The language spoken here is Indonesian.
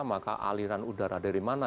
maka aliran udara dari mana